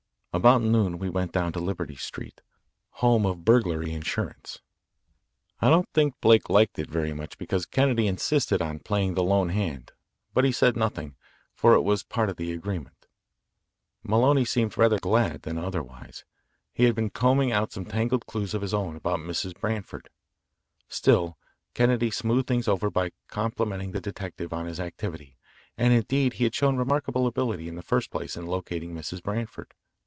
About noon we went down to Liberty Street, home of burglary insurance. I don't think Blake liked it very much because Kennedy insisted on playing the lone hand, but he said nothing, for it was part of the agreement. Maloney seemed rather glad than otherwise. He had been combing out some tangled clues of his own about Mrs. Branford. Still, Kennedy smoothed things over by complimenting the detective on his activity, and indeed he had shown remarkable ability in the first place in locating Mrs. Branford.